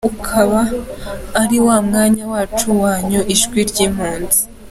Uyu ukaba ari wa mwanya wacu, wanyu, ijwi ry’impunzi.